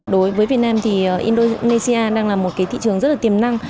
đối với việt nam thì indonesia đang là một thị trường rất tiềm năng